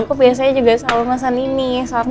aku biasanya juga selalu ngeselin nih soto